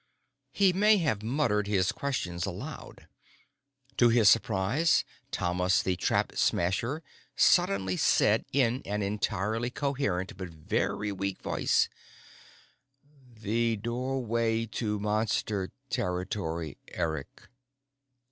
He may have muttered his questions aloud. To his surprise, Thomas the Trap Smasher suddenly said in an entirely coherent but very weak voice: "The doorway to Monster territory, Eric.